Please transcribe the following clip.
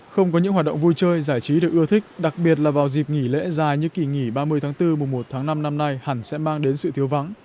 không có những hoạt động vui chơi giải trí được ưa thích đặc biệt là vào dịp nghỉ lễ dài như kỳ nghỉ ba mươi tháng bốn mùa một tháng năm năm nay hẳn sẽ mang đến sự thiếu vắng